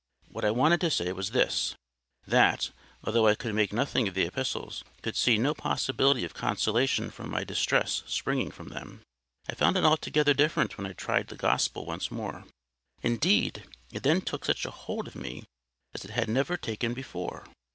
What I wanted to say was this: that, although I could make nothing of the epistles, could see no possibility of consolation for my distress springing from them, I found it altogether different when I tried the Gospel once more. Indeed, it then took such a hold of me as it had never taken before.